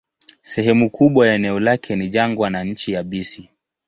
Sehemu kubwa ya eneo lake ni jangwa na nchi yabisi.